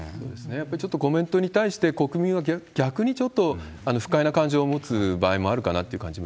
やっぱりちょっとコメントに対して、国民は逆にちょっと不快な感情を持つ場合もあるかなって感じ